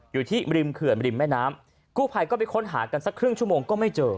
อยู่ที่ริมเขื่อนริมแม่น้ำกู้ภัยก็ไปค้นหากันสักครึ่งชั่วโมงก็ไม่เจอ